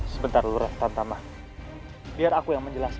sebentar lurah tantama biar aku yang menjelaskan